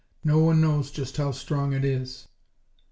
No one knows just how strong it is."